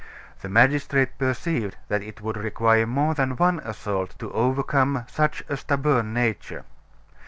The magistrate perceived that it would require more than one assault to over come such a stubborn nature.